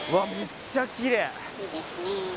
いいですねえ。